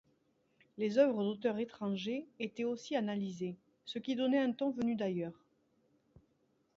Les œuvres d'auteurs étrangers étaient aussi analysées, ce qui donnait un ton venu d'ailleurs.